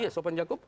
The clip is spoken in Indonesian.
iya soeben jakob